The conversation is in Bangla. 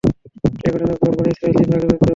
এই ঘটনার পর বনী ইসরাঈল তিন ভাগে বিভক্ত হয়ে পড়ল।